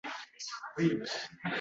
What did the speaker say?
Eng yaqin mehribonlik uyi qayerda?